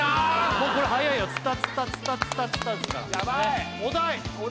もうこれ速いよ「ツタツタツタツタツタ」ですからヤバいお題！